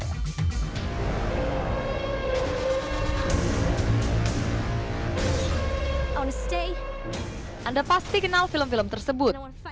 anda pasti kenal film film tersebut